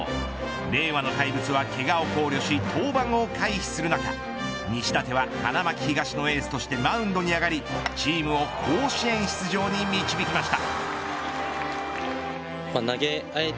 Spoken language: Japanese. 令和の怪物はけがを考慮し、登板を回避する中西舘は花巻東のエースとしてマウンドに上がりチームを甲子園出場に導きました。